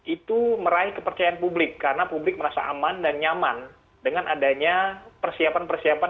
itu meraih kepercayaan publik karena publik merasa aman dan nyaman dengan adanya persiapan persiapan